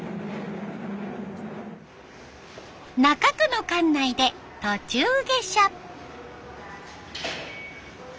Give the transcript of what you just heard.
中区の関内で途中下車。